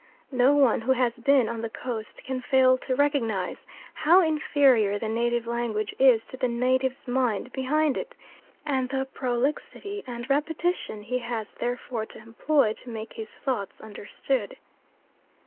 No one who has been on the Coast can fail to recognise how inferior the native language is to the native's mind behind it and the prolixity and repetition he has therefore to employ to make his thoughts understood.